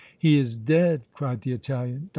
"He is dead!" cried the Italian. "Dr.